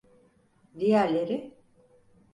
Diğerleri?